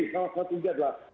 salah satunya adalah insafutu